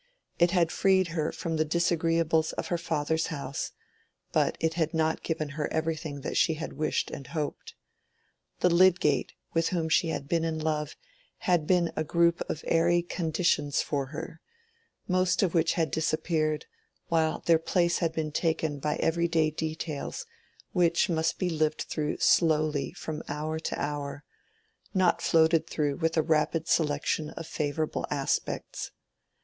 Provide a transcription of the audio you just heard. It had freed her from the disagreeables of her father's house, but it had not given her everything that she had wished and hoped. The Lydgate with whom she had been in love had been a group of airy conditions for her, most of which had disappeared, while their place had been taken by every day details which must be lived through slowly from hour to hour, not floated through with a rapid selection of favorable aspects.